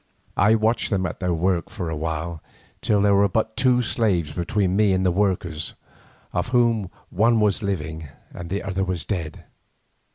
I watched them at their work for a while till there were but two slaves between me and the workers, of whom one was living and the other dead.